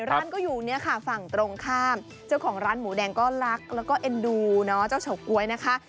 ร้านก็อยู่เนี่ยค่ะฝั่งตรงข้ามเจ้าของร้านหมูแดงก็รักแล้วก็เอ็นดูเนาะเจ้าเฉาก๊วยนะคะ